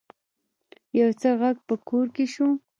يو څه غږ په کور کې شو.